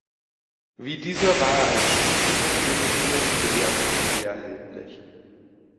Wie dieser war er als Stufenhecklimousine sowie als Kombi erhältlich.